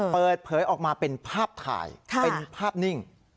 เปิดเผยออกมาเป็นภาพถ่ายเป็นภาพนิ่ง